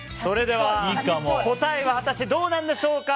答えは果たしてどうなんでしょうか。